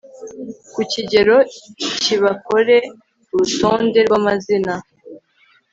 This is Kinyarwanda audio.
ku kigero kibakore urutonde rw amazina